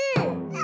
あ！